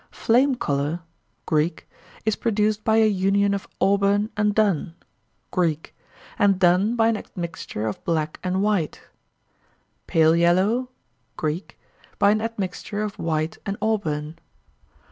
Flame colour (Greek) is produced by a union of auburn and dun (Greek), and dun by an admixture of black and white; pale yellow (Greek), by an admixture of white and auburn.